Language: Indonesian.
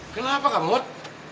kenapa kak mut